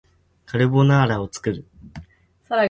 カルボナーラを作る